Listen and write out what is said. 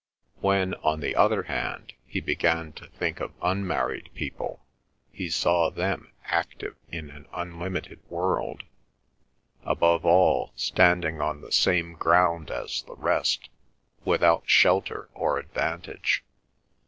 When, on the other hand, he began to think of unmarried people, he saw them active in an unlimited world; above all, standing on the same ground as the rest, without shelter or advantage.